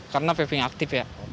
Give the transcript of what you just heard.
karena vaping aktif ya